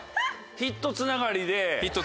ヒットつながりで。